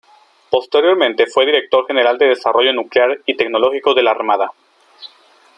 Posteriormente fue director general de Desarrollo Nuclear y Tecnológico de la Armada.